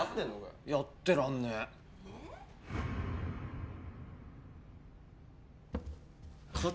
やってらんねええっ？